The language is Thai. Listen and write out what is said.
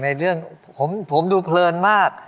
ในเรื่องผมดูเพลินมาก